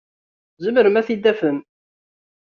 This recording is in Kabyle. Tzemrem ad t-id-tafem?